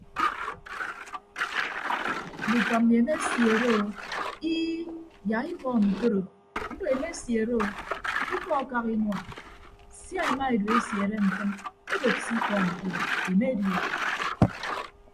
Nditọ mmi emesiere o ii yak ikọọm ntoro mbo emesiere ikọ akak inua sia ema edu esiere mfịn odod se ikọọm ntoro emedi o.